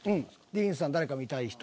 ディーンさん誰か見たい人。